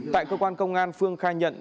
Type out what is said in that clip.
tại cơ quan công an phương khai nhận